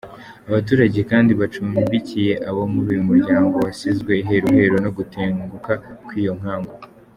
Abaturage kandi bacumbikiye abo muri uyu muryango wasizwe iheruheru no gutenguka kw’iyo nkangu.